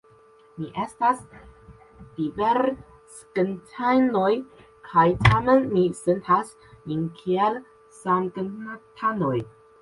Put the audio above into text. Ni estas diversgentanoj, kaj tamen ni sentas nin kiel samgentanoj.